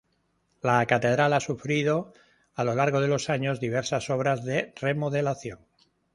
La catedral ha sufrido a lo largo de los años diversas obras de remodelación.